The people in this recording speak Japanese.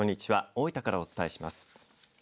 大分からお伝えします。